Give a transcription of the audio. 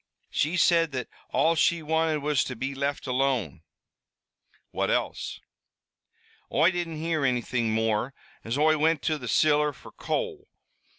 "She said that all she wanted was to be left alone." "What else?" "Oi didn't hear anything more, as Oi wint to the ciller fer coal.